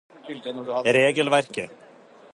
regelverket